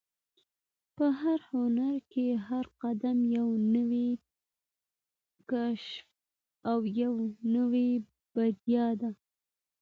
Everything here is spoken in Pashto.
په هنر کې هر قدم یو نوی کشف او یوه نوې بریا ده.